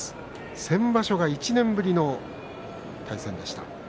先場所は１年ぶりの対戦でした。